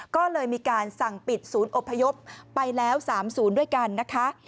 ก็เลยมีการสั่งปิดศูนย์อบพยพไปแล้ว๓ศูนย์ด้วยกันนะคะ